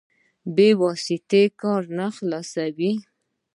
بې واسطې کار نه خلاصوي.